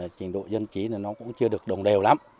trình độ nhân trí thì nó cũng chưa được đồng đều lắm